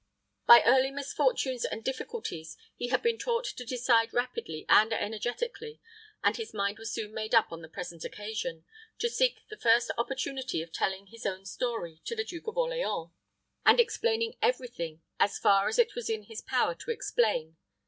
By early misfortunes and difficulties he had been taught to decide rapidly and energetically, and his mind was soon made up on the present occasion, to seek the first opportunity of telling his own story to the Duke of Orleans, and explaining every thing, as far as it was in his power to explain.